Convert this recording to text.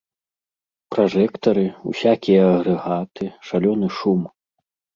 Пражэктары, усякія агрэгаты, шалёны шум.